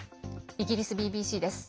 イギリスＢＢＣです。